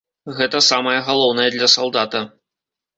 Гэта самае галоўнае для салдата.